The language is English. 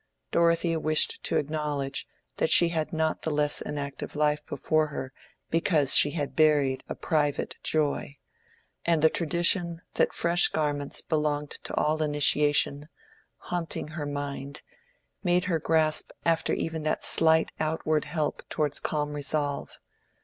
Dorothea wished to acknowledge that she had not the less an active life before her because she had buried a private joy; and the tradition that fresh garments belonged to all initiation, haunting her mind, made her grasp after even that slight outward help towards calm resolve.